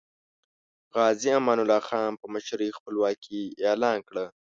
غازی امان الله خان په مشرۍ خپلواکي اعلان کړه.